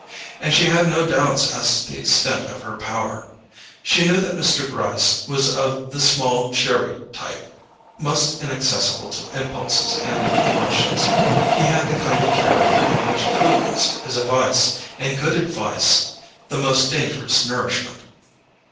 And she had no doubts as to the extent of her power. She knew that Mr. Gryce was of the small chary type most inaccessible to impulses and emotions. He had the kind of character in which prudence is a vice, and good advice the most dangerous nourishment.